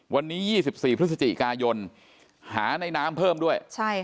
วันนี้๒๔พฤศจิกายนหาในน้ำเพิ่มด้วย